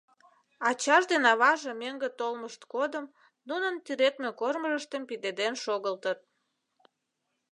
Ачаж ден аваже мӧҥгӧ толмышт годым нунын тӱредме кормыжыштым пидеден шогылтыт.